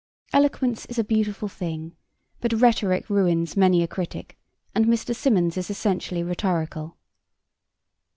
Eloquence is a beautiful thing but rhetoric ruins many a critic, and Mr. Symonds is essentially rhetorical.